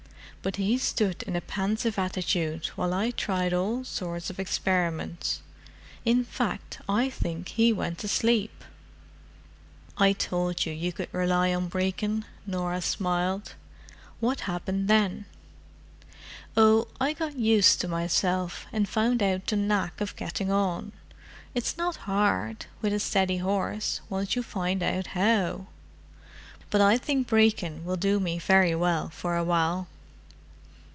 But he stood in a pensive attitude while I tried all sorts of experiments. In fact, I think he went to sleep!" "I told you you could rely on Brecon," Norah smiled. "What happened then?" "Oh—I got used to myself, and found out the knack of getting on. It's not hard, with a steady horse, once you find out how. But I think Brecon will do me very well for awhile."